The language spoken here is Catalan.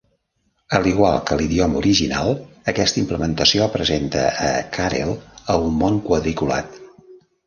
Al igual que a l"idioma original, aquesta implementació presenta a Karel a un món quadriculat.